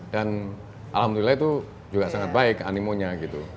dan alhamdulillah itu juga sangat baik animonya gitu